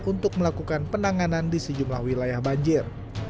untuk melakukan penanganan di sejumlah wilayah banjir